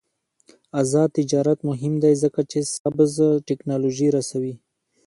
آزاد تجارت مهم دی ځکه چې سبز تکنالوژي رسوي.